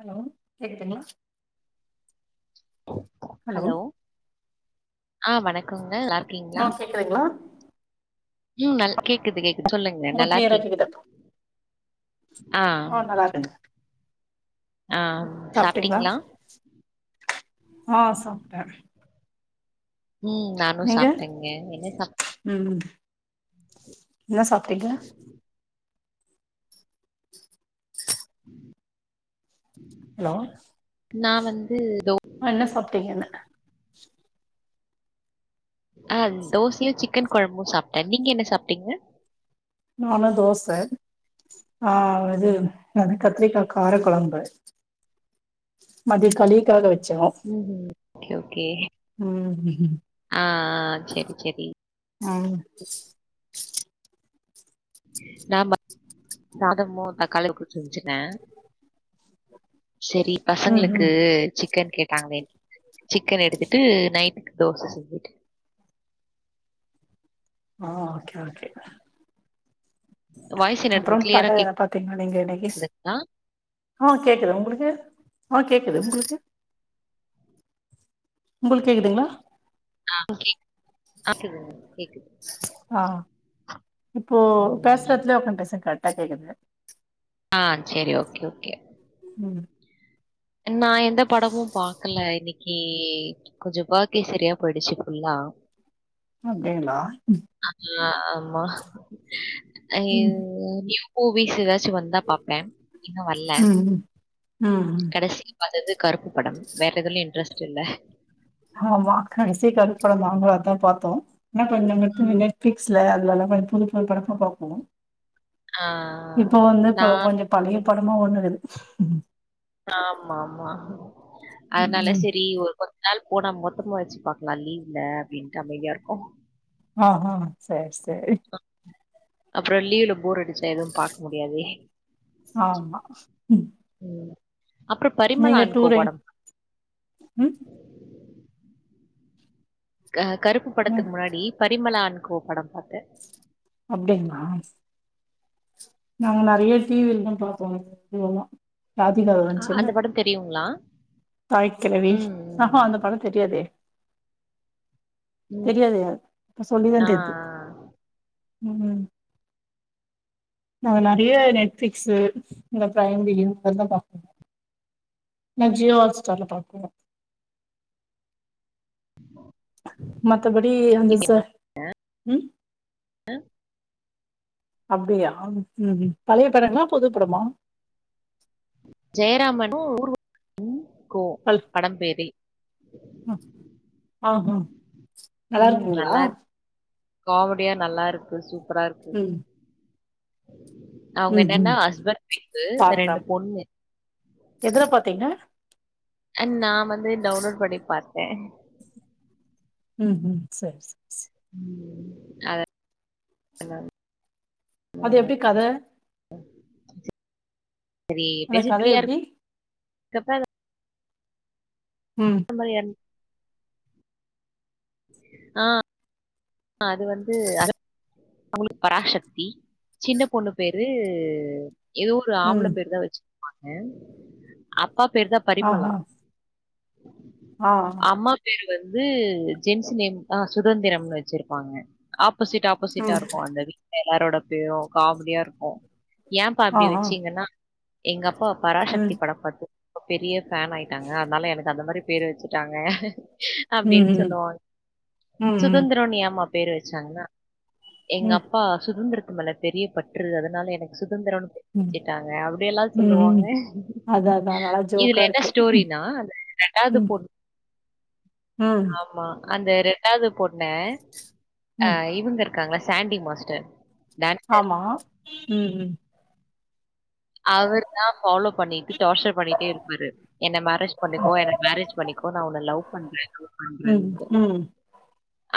Hello கேக்துங்களா hello ஆ வணக்கோங்க நல்லாருக் கீங்ளா ஆ கேக்குதுங்களா ம் நல் கேக்குது கேக்கு சொல்லுங்க உங்களுக்கு நல்லா கிளியரா இருக்கீங் கேக்குதா ஆ நால்லாருகங்க ஆ சாப்ட்டீங்ளா சாப்ட்டீங்களா ஆ சாப்ட்டே ம் நானு நீங்க சாப்ட்டேங்க என்ன சாப் ம் என்ன சாப்ட்டீாங்க [unintelligible] ஹலோ நா வந்து தோ என்ன சாப்ட்டீங்கன்ன ஆ தோசையு சிக்கன் கொழம்பு சாப்ட்ட நீங்க என்ன சாப்டீங்க நானு தோச ஆ அது கத்திரிக்கா கார கொழம்பு மதியோ கலிக்காக வெச்சே ம் ஹும் ஓகே ஓகே ம் ஆ ஆ செரி செரி ஆ நாம சாதமு தக்காளி தொக்கு செஞ்சிட்ட செரி ம் பசங்களுக்கு ம் சிக்கன் கேட்டாங்களே சிக்கன் எடுத்துட்டு நைட்டுக்கு தோச செஞ்சிட்டே ஆ ஓகே ஓகே வாய்ஸ் என்னது அப்புரோ பட கிளியரா ஏதனா பாத்தீங்களா நீங்க இன்னிக்கி ஸ் கேக்குதுங்களா உ கேக்குது உங்குளுக்கு உ கேக்குது உங்குளுக்கு உங்குளுக் கேகுதுங்ளா ஆ கேக் கேக்குதுங்க கேக்குது ஆ இப்போ ம் பேசற எத்துலயே உக்காது பேசுங்க கரெக்ட்டா கேக்குதுங்க ஆ செரி ஓக்கே ஓக்கே ம் நா எந்த படமு பாக்கல இன்னிக்கி கொஞ்ச வோர்கே செரியா போயிடுச்சு ஃபுல்லா அப்டிங்ளா அது ஆமா அ ம் நீயூ மூவிஸ் எதாச் வந்தா பாப்பே இன்னு வர்ல ம் ம் கடைசி பாத்தது கருப்பு படம் வேற எதுலியோஇன்ட்ரெஸ்ட் இல்ல ஆமா கடைசி கருப்பு படதா பாத்தோ பாத்தோ ம். [unintelligible] பிக்ஸ்ல அதுலல்லா கொஞ்ச புது புது படமா பாப்போ ஆ இப்ப வந்து இப்ப நான் கொஞ்சொ பலய படமா ஓட்னுக்கிது ஆமா ஆமா ம் அதனால ம் சரி ஒரு ப ஒர்நாள் போனா மொத்தமா வெச்சு பாக்கலா லீவ்ல அப்டின்னுட்டு அமைதியா இருக்கோ ஆ ஆ செரி செரி அப்பற லீவுல போர் அடிக் எதுவு பாக்க முடியாதே ஆமா ம் உம் நீங்க டூரு உம் கருப்பு ம் படத்துக்கு முன்னாடி பரிமலா அன் கோ பட பாத்த அப்டிங்ளா நாங்க நெறைய டிவில்தா பாப்போ [inaudible] ஆ வந்துச்சுல்ல அந்த பட தெரியுங்ளா ஆஹா அந்த பட தெரியாதே ம் ம் தெரியாதே இப்ப சொல்லிதா ஆ தெர்து நாங்க நெறைய நெட்ஃபிக்சு இந்த ப்ரைம் வீடியோ அதுதா பாப்போ நா ஜியோ ஹாஸ்டார்ல பாப்போ மத்தப்படி அந்த இது ச உம் அப்டியா ம் ம் பழய படங்களா புது படமா ஜெயராமனு ஊர்வ கோ பட பேறே அ ஆஹ உம் நல்லா இருக்கு காமெடியா நல்லா இருக்கு சூப்பரா இருக்கு ம் அவங்க ம் ம் என்னன்னா ஹஸ்பண்ட் ஒயிப்பு ரெண்டு பொண்ணு எதல பாத்தீங்க நா வந்து டவுன்லோட் பண்ணி பாத்தே ம் ம் செரி செரி அத [inaudible] அது எப்டி கத நெறைய அந்த பேஜி கத ஃப்ரீயா எப்டி இருக் ம் [unintelligible] ஆ ஆ அது வந்து அரப் அவுளுக்கு பராசக்தி சின்ன பொண்ணு பேரு ஏதோ ஒரு ஆம்பள ம் பேருதா வெச்சுப்பாங்க அப்பா பேருதான் ஆஹா பரிமளாவின் ஆ அம்மா பேரு வந்து ஜென்ட்ஸ் நேம் ஆ சுதந்திரம்ன் வெச் சிருப்பாங்க ஆப்போசிட் ஆப்போசிட்டா ம் இருக்கு அந்த வீட்ல எல்லாரோட பேரு காமெடியா இருக்கு ஏன் பா அப்டி ஆஹா வெச்சீங்கன்னா எங்க அப்பா ம் பராசக்தி படம் பாத்து ரொம்ப பெரிய ஃபேன் ஆயிட்டாங்க அதனால எனக்கு அந்த மாரி பேரு வெச்சுட்டாங்க ம் அப்டின் ம் சொல்லுவாங்க ம் சுதந்திர ம்னு ஏம்மா பேரு வெச்சாங்க எங்க ம் அப்பா சுதந்திரத்து மேல பெரிய பற்று அதனால எனக்கு சுதந்திரம்னு பேரு ம் வெச்சிட்டாங்க அப்டியெல்லா ம் சொல்லுவாங்க ம் அதா அதா நல்லா இதுல ஜோக்கா என்ன இருக்கு ஸ்டோரினா அது ரெண்டாவது ம் பொண் ம் மா அந்த ரெண்டாவது பொண்ண ஆ ம் இவங்க இருக்காங்ளா சாண்டி மாஸ்டர் டான்ஸர். ஆமா ம் ம் அவர் தான் ஃபாலோ பண்ணிட்டு டார்ச்சர் பண்ணிட்டே இருப்பாரு என்ன மேரேஜ் பண்ணிக்கோ என்ன மேரேஜ் பண்ணிக் கோ நான் உன லவ் பண்றே லவ் பண்றே ம் ம்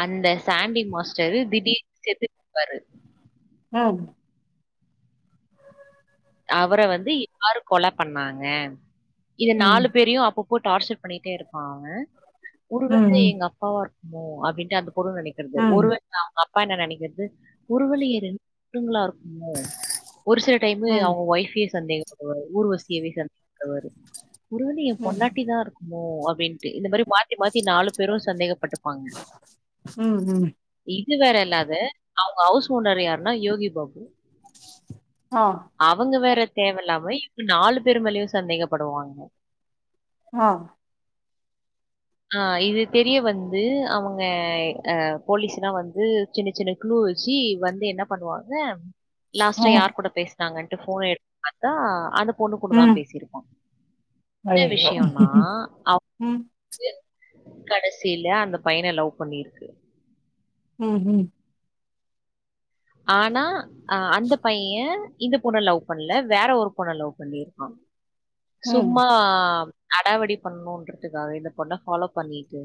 அந்த சாண்டி மாஸ்டரு திடீர்னு செத்துட்ருப்பாரு ஆம் அவர வந்து யாரு கொல பண்ணாங்க இது ம் நாலு பேரையு அப்பப் போ டார்ச்சர் பண்ணிட்டே இருப்பா அவே ஒரு ம் வேள ம் எங்க அப்பாவா இருக்குமோ அப்டின்ட்டு அந்த பொண்ணு நெனைக் குறது ம் ஒரு வே அவ்ங்க அப்பா என்ன நெனக்கிற்து ஒரு வேள எ ரெண்டு [inaudible] களா இருக்குமோ ஒரு சில டைம் இவே ம் அவ்ங்க ஒய்ஃப்பயே சந்தேகபடுவாரு ஊர்வசியவே சந்தேகப்படுவாரு ஒருவேள ஏ ம் பொண்டாட்டிதா இருக்குமோ அப்டின்ட்டு இந்த மாரி மா த்தி மாத்தி நாலு பேரு சந்தேகப்பட்டுப்பாங்க ம் ம் இது வேற இல்லாத அவங்க ஹவுஸ் ஓனர் யாருன்னா யோகி பாபு ஆ அவங்க வேற தேவ இல்லாம இவங்க நாலு பேர் மேலயு சந்தேகப்படுவாங்க ஆ ஆ இது தெரிய வந்து அவங்க அ போலீஸ்லா வந்து சின்ன சின்ன க்ழு வச்சு வந்து என்ன பண்ணுவாங்க லாஸ்ட்டா ம் யார் கூட பேசுனாங்கன்ட்டு ஃபோன எடுத்து பாத்தா அந்த பொண்ணு கூடதா ம் பேசிருப்பா என்ன ஐயயோ விஷயோனா அப் ம் கடசில்ல அந்த பையன லவ் பண்ணிருக்கு ம் ம் ஆனா அ அந்த பைய இந்த பொண்ண லவ் பண்ணல வேற ஒரு பொண்ண லவ் பண்ணிருக்கா ம் சும்மா அடாவடி பண்ணுன்றதுக்காக இந்த பொண்ண ஃபாலோ பண்ணிட்டு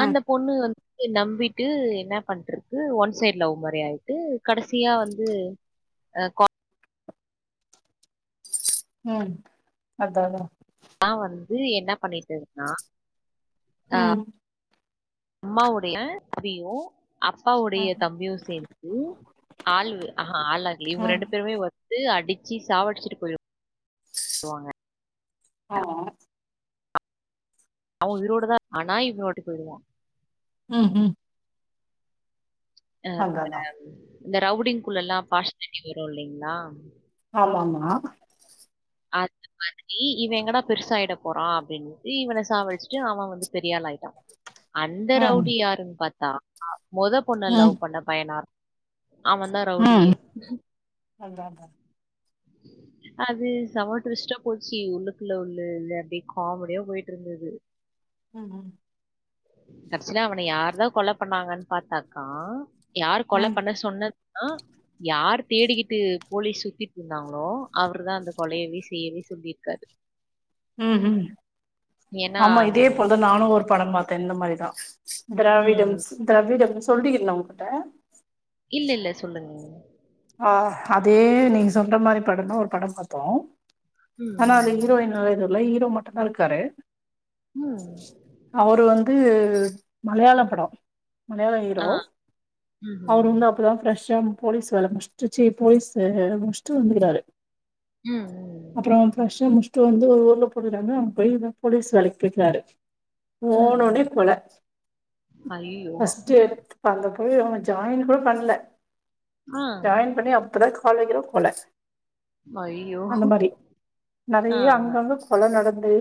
அ அந்தப் பொண்ணு வந் து நம்பிட்டு என்ன பண்ருக்கு ஒன் சைட் லவ் மாரி ஆய்ட்டு கடசியா வந்து அ கா ம் அதா அதா டா வந்து என்ன பண்ணிட்டுந்தா ஆ ம் அம்மாவுடைய தம்பியு அப்பாவுடைய ம் தம்பியு சேந்து ஆள் ஆஹா ஆள் ல்ல இவ்ங்க ம் ரெண்டு பேருமே வ ந்து அடிச்சு சாவடிச்சிட்டு போய்டு வாங்க ஆ ஆ அவ உயிரோடுதா ஆனா இவள விட்டு போய்டுவா ம் ம் அதா அதா அப்றம் இந்த ரவ்டிங்குள்ளலா பார்ஸியாலிட்டி வரு இல்லிங்ளா ஆமாமா அது மாதிரி இவ எங்கடா பெருசாய்ட போறா அப்டின்னு இவன சாவடிச்ட்டு அவ வந்து பெரியாளாயிட்டா அந்த ம் ரவ்டி யாருன் பாத்தா மொத பொண்ண ம் லவ் பண்ண பையனார் அவந்தா ரவ்டியே அதாதா அது செம டுவிஸ்டா போச்சி உள்ளுக்குள்ள உள்ள இல்ல அப்டியே காமெடியா போயிட்ருந்தது ம் ம் கடசில அவன யார்தா கொல பண்ணாங்கன் பாத்தாக்கா யாரு கொல ம் பண்ண சொன்ன னா யார் தேடிகிட்டு போலீஸ் சுத்திட்ருந்தாங்ளோ அவருதா அந்த கொலயவே செய்யவே சொல்லிருக்காரு ம் ம் ஏன்னா ஆமா இதே போல்தா நானு ஒரு படம் பாத்தே இந்த மாரிதா ம் திராவிடம்ஸ் திரவிடம் சொல்லிருந்தே உங்கிட்ட இல்லல்ல சொல்லுங் ஆ அதே நீங்க சொல்ற மாரி படதா ஒரு படம் பாத்தோ ம் ஆனா அது ஹீரோயின் எதுல்ல ஹீரோ மட்டுந்தாருக்காரு ம் ம் அவரு வந்து மலையாள பட மலையாள ஆ. ஹீரோ அவரு ம்ஹ்ம். வந்து அப்பதா ஃப்ரஷ்ஷா போலீஸ் வேல முடிஸ் ச்சி போலீஸ்சு முடிசுட்டு வந்துருக்கிறாரு ம் அப்றோ ம். ஃபிரெஷ்ஷா முச்டு வந்து ஒரு ஊர்ல போறாங்க அவுங்க இத போலீஸ் வேலக்கு போயிக்கிறாரு ம், போனோனெ ம். கொல ஐயய்யோ! ஃபஸ்ட் எடுத் இப்ப அங்க போய் அவங்க ஜாய்ன் கூட பண்ல ஆ. ஜாய்ன் பண்ணி அப்ப தா காலேஜ் கூட போல ஐயய்யோ! அந்த மாரி ஆ, நெறய ஆ. அங்கங்க கொல நடந்து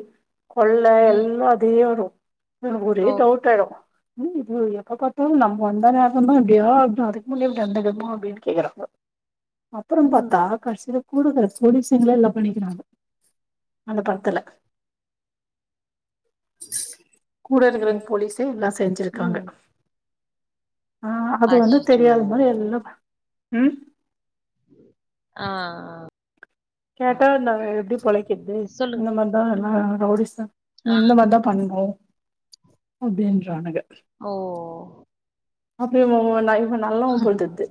கொள்ள ம். எல்லா தே வரு எனக் ஒரே ஓ. டவ்ட்டாயிடு மூஞ்சிய பாரு எப்போ பாத்தாலு நம்ப வந்த நேரமே இப்டியா இல்ல அதுக்கு முன்னாடி இப்படி வந்திருமா அப்டின் கேக்கறாங்க அப்பற ம், பாத்தா கடசில குடுகல பொடிசுங்களா எல்லா பண்ணிக்கிறாங்கோ அந்த படத்துல கூடருக்றங் போலீஸே எல்லா செஞ்சிருக்காங்க ம். ஆ அது வந்து அச்சச்சோ! தெரியாத மாரி எல்லா ம் ஆ ஆ கேட்டா நா எப்டி பொழைக்கிரது சொல்லுங்க. இந்த மார்தா எல்லா ரவ்டிஸா ஆ. இந்த மாரிதா பண்றோ அப்டின்றானுக ஓ அப்டியு நா இவன் நல்லவ போல் தெரியுது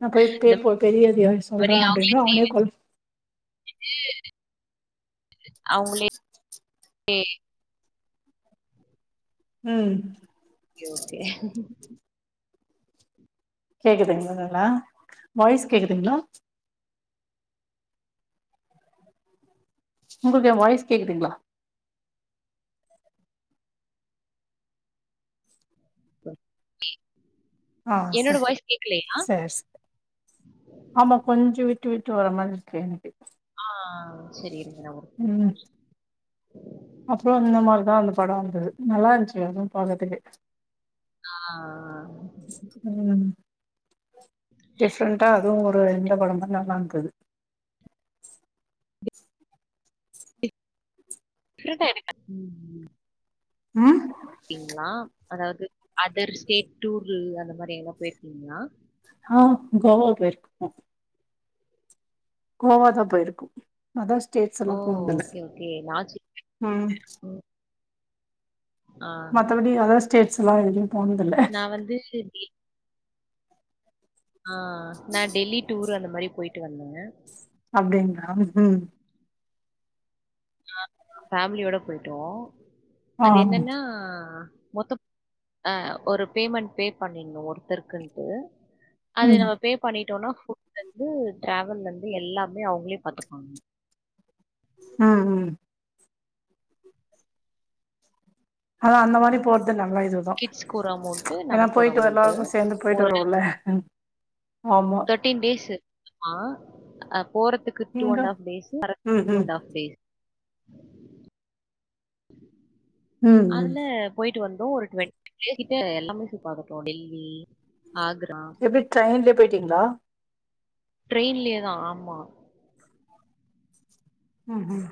நா போய் பே இந்த பெரிய அதிகாரிகிட்ட சொல்ற அப்டினு அவனே கொல் அவுங்ளே ம் ஒகே ஓகே கேக்குதுங்களா நல்லா வாய்ஸ் கேக்குதுங்களா உங்களுக்கு ஏ வாய்ஸ் கேக்குதுங்ளா ஒகே ஆ என்னோட சரி வாய்ஸ் கேக்கலயா சரி சரி ஆமா கொஞ்சொ விட்டு விட்டு வர மாரிருக்கு எனக்கு ஆ சரி இருங்க நா ஒங்க கூப்பற அப்புற இந்த மாரிதா அந்த படோ வந்தது நல்லாருந்துச்சு அது பாக்கறதுக்கு ஆ ம் டிஃப்ரெண்டா அதுவு ஒரு இந்த படமா நல்லாருந்தது இருங்க இருங்க ம் ம் ம் டிங்ளா அதாது அதர் ஸ்டேட் டூரூ அந்த மாரி எல்லா போயிருக்கீங்களா ஆ கோவா போயிர்க்க கோவா தா போயிருக்கோ அதர் ஓ! ஸ்டேட்ஸ்ல்லா போனதில ஓகே, ஓகே. நான் சி ம் ம். ஆ. மத்தபடி அதர் ஸ்டேட்ஸ்ல்லா எதுலியு போனதுல்ல நான் வந்து இப்டி ஆ நா டெல்லி டூரு அந்த மாரி போயிட்டு வந்தேங்க அப்டிங்ளா ம் நாங்க பேமிலியோட போயிட்டோ ஆ அது ம் என்னன்னா மொத்த அ ஒரு பேமெண்ட் பே பண்ணிணு ஒருத்தருக்குன்ட்டு அது நம்ம பே பண்ணிட்டோனா ஃபுட்லருந்து ட்ராாவல்லேருந்து எல்லாமே அவுங்களே பாத்துக்வாங்க ம் ம் அது அந்த மாரி போறது நல்ல இது கிட்ஸ்க்கு ஒரு அமௌண்ட்டு, ஏனா நமக்கு ஒரு போயிட்டு அமௌண்ட்டு. வரலோருக்கு சேந்து போயிட்டு வருவோல ஆமா பி்ஃப்டீன் டேஸு ஆ அ போறதுக்கு துக் டூ இங்க அண்டாஃப் டேஸ் வரதுக்கு ம் டூ ம் அன்டாஃப் டேஸ் ம் ம் அதுல போயிட்டு வந்தோ ஒரு டொண்டி பிளேஸ்கிட்ட எல்லாமே சுத்திபாத்துட்டோ டெல்லி ஆக்ரா எப்டி டிரெயின்லியே போயிட்டீங்ளா ட்ரெயின்லே தா ஆமா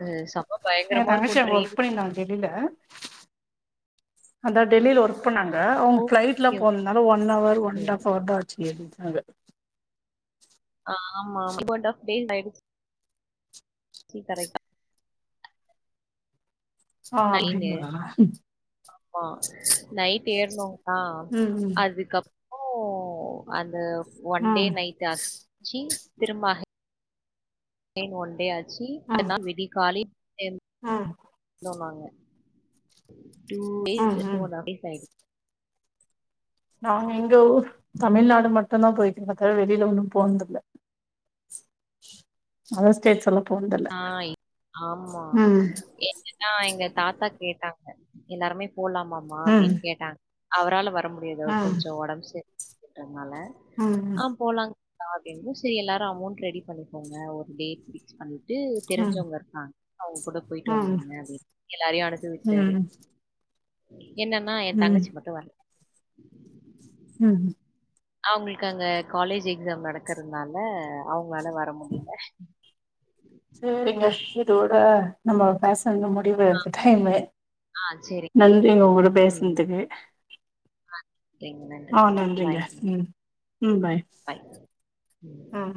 அது செம ஏ பயங்கரமா தங்கச்சி இருக்கும் அங்க ஒர்க் ட்ரெயின். பண்ணியிருந்தாங்க டெல்லில அதா டெல்லில ஒர் ர்க் பண்ணாங்க அவங்க ஃபிளைட்ல ஓகே, போனதுனால one hour one okay. Half hour தா ஆச்சு அப்டின்னாங்க ஆ ஆமா ஆமா டூ அண்டாஃப் டேஸ் ஆச்சு சீக்கரைட் ஆ நைனு அப்டிங்ளா ஆமா நைட் ஏற்னோமா ம் அதுக்கப் றோ அந்த ஒன் டே ம் நைட் ஆச்சி திரும்ப அ கேன் ஒன்டே ஆச்சி ம் மறுநாள் விடிகாலைல ம் ம் வந்தோ நாங்க ம் டூடேஸ் டூ ம் அன்ட் ஆஃப் டேஸ் ஆய்டூ நா எங்க ஊர் தமிழ்நாடு மட்டுதா போய்க்கிறே தவர வெளில ஒன்னு போனதில்ல அதர் ஸ்டேட்ஸலா போனதுல்ல ஆ ம் ஆ எங்க தாத்தா கேட்டாங்க எல்லாருமே போலாமாம்மா ம் அப்டின்னு கேட்டாங்க அவரால வர முடி ஏதோ ம் கொஞ்சோ ஒடம்பு சரில்லாதனால ம் ம் ஆ போலாங் அப்டினுசரி எல்லாரு அமௌண்ட் ரெடி பண்ணிக்கோங்க ஒரு டேட் பிக்ஸ் பண்ணிட்டு தெரிஞ்சவங்க இருக்காங்க அவுங்க கூட போயிட்டு ம் வந்தருங்க அப்டி எல்லாரையு அனுப்பி விட்டாரு ம் என்னன்னா ஏ ம் ம் தங்கச்சி மட்டு வரல ம் அவுங்களுக்கு அங்க காலேஜ் எக்ஸாம் நடக்கறதுனால அவுங்களால வர முடியல சேரிங்க இதோட நம்ம பேச இந்த முடிவு எடுத்துட்டே இன்மே ஆ சரி நன்றிங்க உங்க கூட பேசுனதுக்கு நன்றிங்க ஆ நன்றிங்க பாய்ங்க ம் ம் பாய் பாய் ஆ